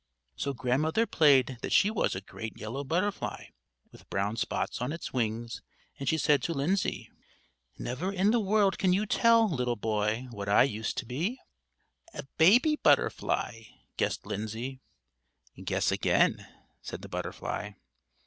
So Grandmother played that she was a great yellow butterfly with brown spots on its wings, and she said to Lindsay: "Never in the world can you tell, little boy, what I used to be?" "A baby butterfly," guessed Lindsay. "Guess again," said the butterfly.